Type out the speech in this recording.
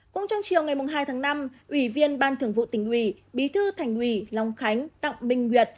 cũng trong chiều ngày hai tháng năm ủy viên ban thường vụ tỉnh ủy bí thư thành ủy long khánh đặng minh nguyệt